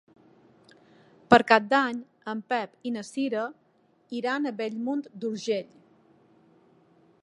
Per Cap d'Any en Pep i na Cira iran a Bellmunt d'Urgell.